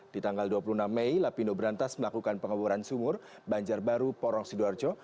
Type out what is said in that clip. di tanggal dua puluh enam mei lapindo berantas melakukan pengeboran sumur banjarbaru porong sidoarjo